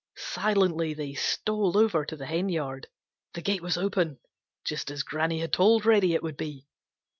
Silently they stole over to the henyard. The gate was open, just as Granny had told Reddy it would be.